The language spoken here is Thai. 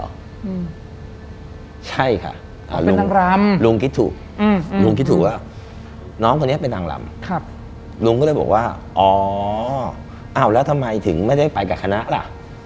อเจมส์ใช่ค่ะลุงคิดถูกลุงคิดถูกว่าน้องคนนี้เป็นนางลำลุงก็เลยบอกว่าอ๋อแล้วทำไมถึงไม่ได้ไปกับคณะล่ะ